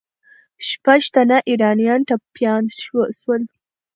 شپږ تنه ایرانیان ټپیان سول.